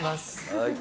はい。